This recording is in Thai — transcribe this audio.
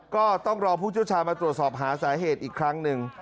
ก็ต้องรอผู้เชี่ยวชาญมาตรวจสอบหาสาเหตุอีกครั้งหนึ่ง